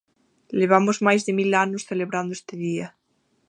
Levamos máis de mil anos celebrando este día.